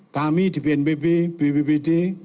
kami di bnpb bppbd